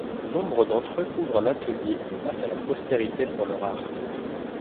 Nombre d'entre eux ouvrent un atelier et passent à la postérité pour leur art.